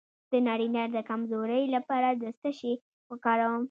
د نارینه د کمزوری لپاره څه شی وکاروم؟